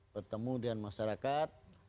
pertemu dengan masyarakat